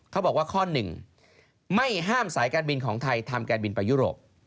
เขาบอกว่าข้อหนึ่งไม่ห้ามสายการบินของไทยทำการบินไปยุโรป